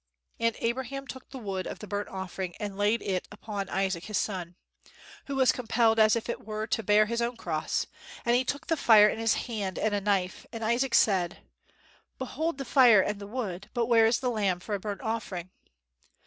"And Abraham took the wood of the burnt offering, and laid it upon Isaac his son," who was compelled as it were to bear his own cross. And he took the fire in his hand and a knife, and Isaac said, "Behold the fire and the wood, but where is the lamb for a burnt offering?"